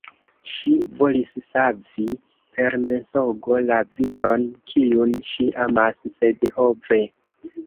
Ŝi volis savi per mensogo la viron, kiun ŝi amas; sed ho ve!